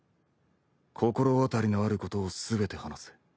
心当たりのあることを全て話せ。